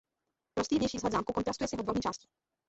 Prostý vnější vzhled zámku kontrastuje s jeho dvorní částí.